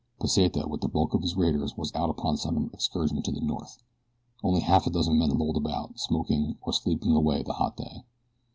Pesita with the bulk of his raiders was out upon some excursion to the north. Only half a dozen men lolled about, smoking or sleeping away the hot day.